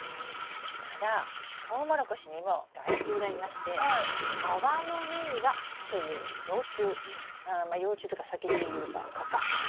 ただトウモロコシにも害虫がいましてアワノメイガという幼虫まあ幼虫というか先に言えば蛾か。